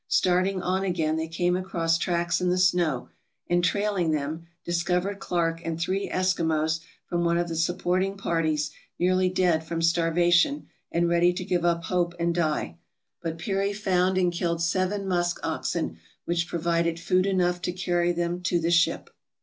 Starting on again, they came across tracks in the snow, and trailing them, dis covered Clark and three Eskimos from one of the supporting parties, nearly dead from starvation, and ready to give up hope and die, but Peary found and killed seven musk oxen, which provided food enough to carry them to the ship.